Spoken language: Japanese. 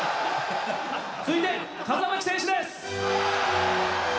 続いて風巻選手です！